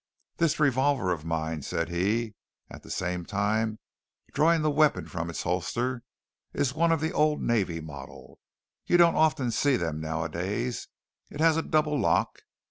"This revolver of mine," said he, at the same time drawing the weapon from its holster, "is one of the old navy model. You don't often see them nowadays. It has a double lock."